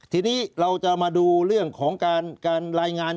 ทีนี้เราจะมาดูเรื่องของการรายงาน